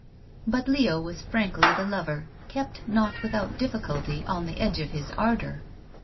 But Leo was frankly the lover, kept not without diflBculty on the edge of his ardor.